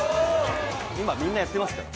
今、みんなやってますから。